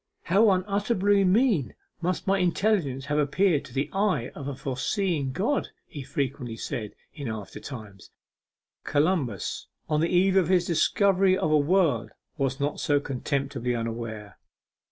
'How unutterably mean must my intelligence have appeared to the eye of a foreseeing God,' he frequently said in after time. 'Columbus on the eve of his discovery of a world was not so contemptibly unaware.